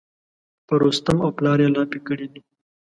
په رستم او پلار یې لاپې کړي دي.